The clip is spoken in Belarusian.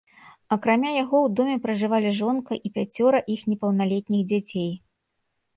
Акрамя яго ў доме пражывалі жонка і пяцёра іх непаўналетніх дзяцей.